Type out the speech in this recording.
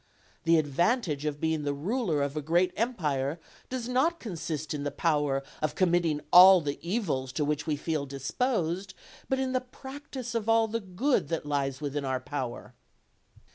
The advantage of being the ruler of a great empire does not consist in the power of com mitting all the evils to which we feel disposed, but in the practice of all the good that lies within our power."